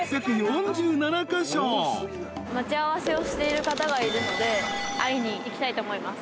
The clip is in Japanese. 待ち合わせをしている方がいるので会いに行きたいと思います。